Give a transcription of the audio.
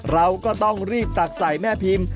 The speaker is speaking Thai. เราก็ต้องรีบตักใส่แม่พิมพ์